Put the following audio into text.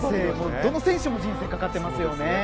どの選手も人生かかっていますよね。